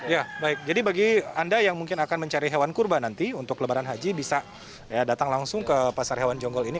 ya baik jadi bagi anda yang mungkin akan mencari hewan kurban nanti untuk lebaran haji bisa datang langsung ke pasar hewan jonggol ini